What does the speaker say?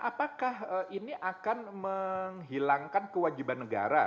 apakah ini akan menghilangkan kewajiban negara